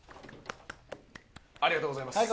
ありがとうございます